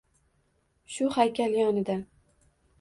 shu haykal yonidan